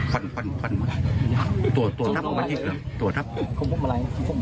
หุ่นตัวตรับนะ